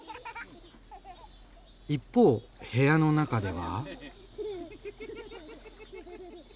一方部屋の中では？